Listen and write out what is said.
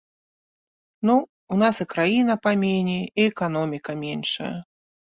Ну, у нас і краіна паменей, і эканоміка меншая.